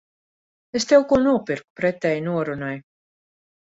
Es tev ko nopirku pretēji norunai.